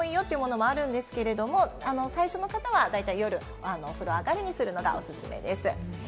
本当は朝晩やってもいいよというものもあるんですけれども、最初の方は夜、お風呂上がりにするのがおすすめです。